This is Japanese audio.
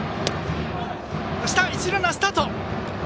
一塁ランナー、スタート！